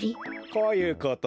こういうことだ。